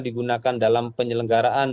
digunakan dalam penyelenggaraan